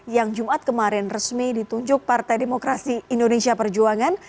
yang jumat kemarin resmi ditunjuk partai demokrasi indonesia perjuangan